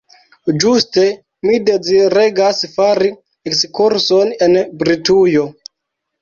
Ĝuste mi deziregas fari ekskurson en Britujo.